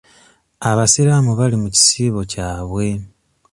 Abasiraamu bali mu kisiibo kyabwe.